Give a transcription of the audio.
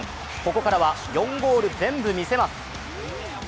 ここからは４ゴール全部見せます。